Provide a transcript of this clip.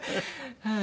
はい。